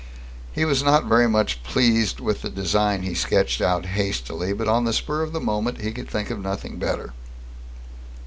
He was not very much pleased with the design he sketched out hastily, but on the spur of the moment, he could think of nothing better.